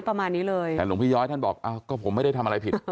ประมาณนี้เลยแต่หลวงพี่ย้อยท่านบอกก็ผมไม่ได้ทำอะไรผิด